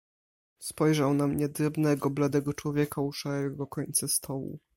"Spojrzał na mnie, drobnego, bladego człowieka u szarego końca stołu."